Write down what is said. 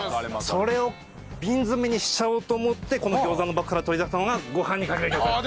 それを瓶詰にしちゃおうと思ってこの餃子のバッグから取り出したのがご飯にかけるギョーザです！